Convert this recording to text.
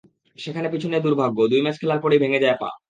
সেখানে পিছু নেয় দুর্ভাগ্য, দুই ম্যাচ খেলার পরেই ভেঙে যায় পা।